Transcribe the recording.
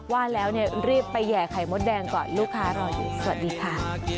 ว่าแล้วเนี่ยรีบไปแห่ไข่มดแดงก่อนลูกค้ารออยู่สวัสดีค่ะ